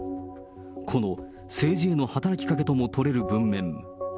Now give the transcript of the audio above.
この政治への働きかけとも取れる文面。